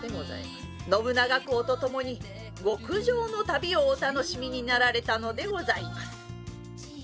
「信長公とともに極上の旅をお楽しみになられたのでございます」。